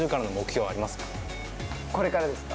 これからですか。